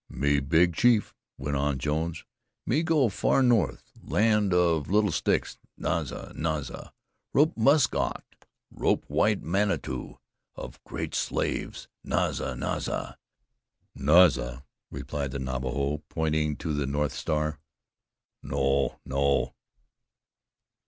"Me big chief," went on Jones, "me go far north Land of Little Sticks Naza! Naza! rope musk ox; rope White Manitou of Great Slave Naza! Naza!" "Naza!" replied the Navajo, pointing to the North Star; "no no."